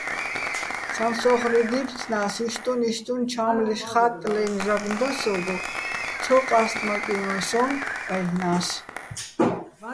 სამსო́ხრე დი́ფცნას, იშტუნ-იშტუნ ჩა́მლიშ ხაჲტტლე́ნო̆ ჟაგნო და სო́გო, ცო ყასტმაკინვა სონ-აჲლნა́ს.